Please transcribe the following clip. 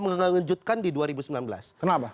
mengejutkan di dua ribu sembilan belas kenapa